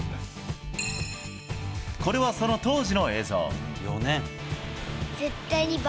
これは、その当時の映像。